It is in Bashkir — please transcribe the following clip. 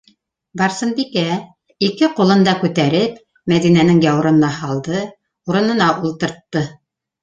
- Барсынбикә, ике ҡулын да күтәреп, Мәҙинәнең яурынына һалды, урынына ултыртты.